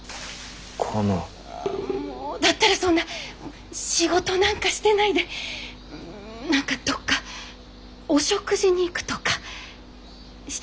もうだったらそんな仕事なんかしてないで何かどっかお食事に行くとかしてきたら？